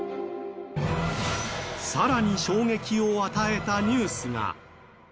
更に衝撃を与えたニュースが。